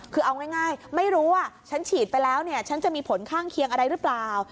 คือเอาง่ายไม่รู้ว่าฉันฉีดไปแล้วเนี่ยฉันจะมีผลข้างเคียงอะไรหรือเปล่า